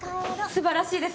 すばらしいです